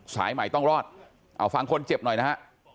สายใหม่ต้องรอดเอาฟังคนเจ็บหน่อยนะฮะ